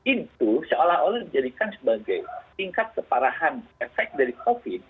itu seolah olah dijadikan sebagai tingkat keparahan efek dari covid